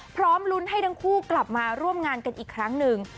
พร้อมลุ้นให้ทั้งคู่กลับมาร่วมงานกันอีกครั้งหนึ่ง